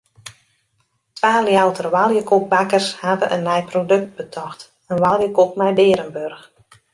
Twa Ljouwerter oaljekoekbakkers hawwe in nij produkt betocht: in oaljekoek mei bearenburch.